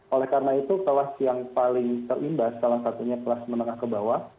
oleh karena itu kelas yang paling terimbas salah satunya kelas menengah ke bawah